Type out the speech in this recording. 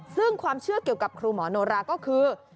ซึ่งความเชื่อเกี่ยวกับครูหมอโนราก็คือ